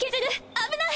危ない！！